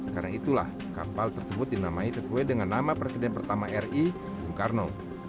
karena itulah kapal tersebut dinamai sesuai dengan nama presiden pertama ri bung karno